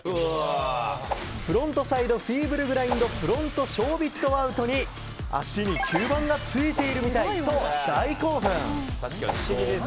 フロントサイドフィーブルグラインドフロントショービットアウトに足に吸盤がついているみたいと大興奮！